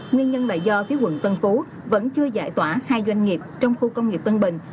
nguyên nhân là do phía quận tân phú vẫn chưa giải tỏa hai doanh nghiệp trong khu công nghiệp tân bình